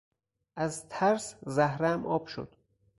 از ترس زهرهام آب شد!